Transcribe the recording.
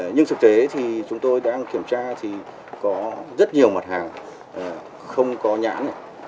nhưng thực tế thì chúng tôi đang kiểm tra thì có rất nhiều mặt hàng không có nhãn